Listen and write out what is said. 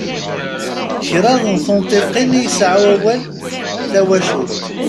Kraḍ n tunṭiqin i yesɛa wawal "tawacult".